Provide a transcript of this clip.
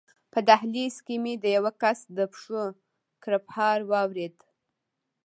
په دهلېز کې مې د یوه کس د پښو کړپهار واورېد.